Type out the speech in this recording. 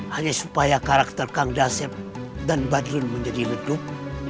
hanya supaya karakter kang dasep dan badrun menjadi redup